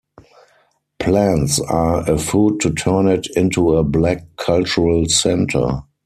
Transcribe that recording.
Plans are afoot to turn it into a black cultural center.